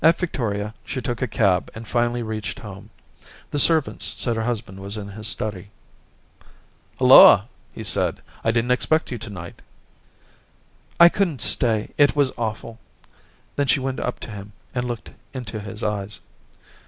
At Victoria she took a cab and finally reached home. The servants said her hus band was in his study. ' Hulloa !' he said. * I didn't expect you to night' * I couldn't stay ; it was awful.' Then she went up to him and l6oked into his eyes.